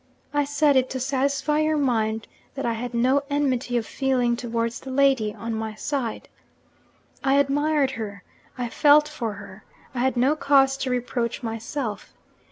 I said it to satisfy your mind that I had no enmity of feeling towards the lady, on my side. I admired her, I felt for her I had no cause to reproach myself.